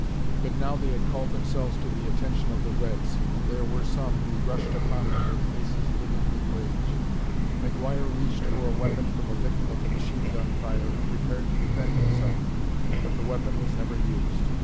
But now they had called themselves to the attention of the reds, and there were some who rushed upon them with faces livid with rage. McGuire reached for a weapon from a victim of the machine gun fire and prepared to defend himself, but the weapon was never used.